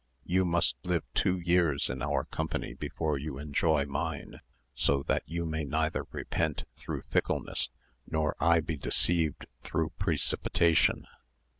You must live two years in our company before you enjoy mine, so that you may neither repent through fickleness, nor I be deceived through precipitation.